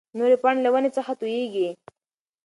نورې پاڼې له ونې څخه تويېږي.